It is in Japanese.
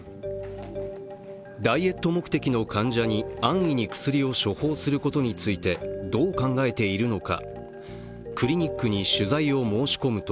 ダイエット目的の患者に安易に薬を処方することについてどう考えているのか。